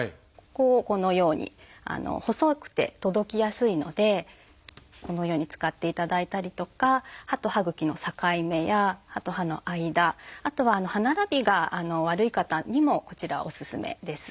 ここをこのように細くて届きやすいのでこのように使っていただいたりとか歯と歯ぐきの境目や歯と歯の間。あとは歯並びが悪い方にもこちらおすすめです。